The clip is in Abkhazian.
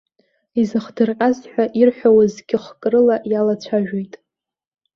Изыхдырҟьаз ҳәа ирҳәауа зқьы-хкы рыла иалацәажәоит.